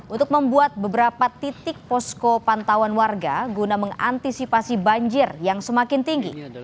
untuk membuat beberapa titik posko pantauan warga guna mengantisipasi banjir yang semakin tinggi